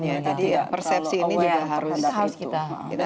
jadi persepsi ini juga harus kita hilangkan